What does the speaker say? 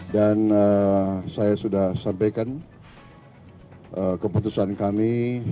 dan saya sudah sampaikan keputusan kami